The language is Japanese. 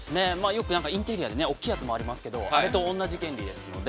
よくインテリアで大きいやつもありますけどあれと同じ原理ですので。